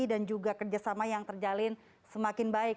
dan juga kerjasama yang terjalin semakin baik